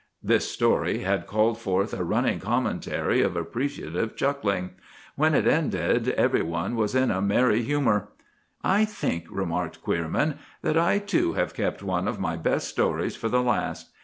'" This story had called forth a running commentary of appreciative chuckling. When it ended, every one was in a merry humor. "I think," remarked Queerman, "that I, too, have kept one of my best stories for the last.